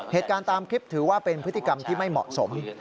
เหตุการณ์ตามคลิปถือว่าเป็นพฤติกรรมที่ไม่เหมาะสม